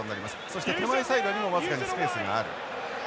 そして手前サイドにも僅かにスペースがある。